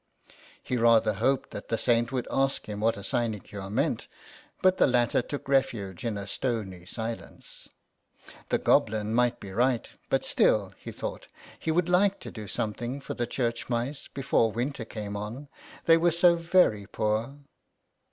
He rather hoped that the Saint would ask him what a sinecure meant, but the latter took refuge in a stony silence. The Goblin might be right, but still, he thought, he would like to do something for the church mice before winter came on ; they were so very poor.